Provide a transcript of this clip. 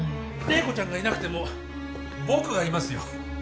麗子ちゃんがいなくても僕がいますよ。